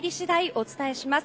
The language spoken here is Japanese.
お伝えします。